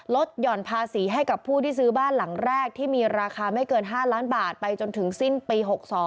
หย่อนภาษีให้กับผู้ที่ซื้อบ้านหลังแรกที่มีราคาไม่เกิน๕ล้านบาทไปจนถึงสิ้นปี๖๒